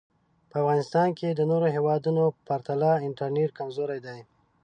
په افغانیستان کې د نورو هېوادونو پرتله انټرنټ کمزوری دی